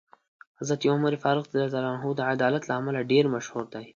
حضرت عمر فاروق رض د عدالت له امله ډېر مشهور دی.